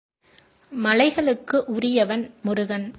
மலைகளுக்கு உரியவன் முருகன்.